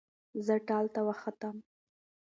زه ټال ته وختم